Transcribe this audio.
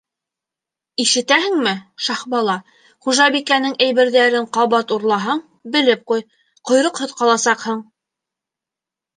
Ишетәһеңме, Шаһбала, хужабикәнең әйберҙәрен ҡабат урлаһаң, белеп ҡуй, ҡойроҡһоҙ ҡаласаҡһың!